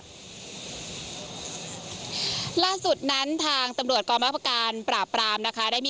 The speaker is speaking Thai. นี้ก็คือพลตบนเอกศิวราหลังศรีพรามมคุณรองผู้บัญชาการตำรวจแห่งชาติ